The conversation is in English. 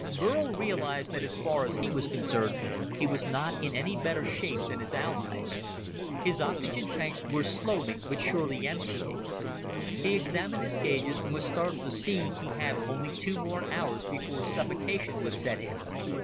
Burl realized that as far as he was concerned, he was not in any better shape than his allies. His oxygen tanks were slowly but surely emptying. He examined his gauges and was startled to see he had only two more hours before suffocation would set in.